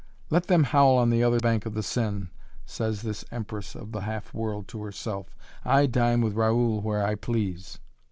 "Let them howl on the other bank of the Seine," says this empress of the half world to herself, "I dine with Raoul where I please."